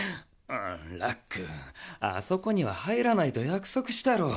ラックあそこにははいらないとやくそくしたろ？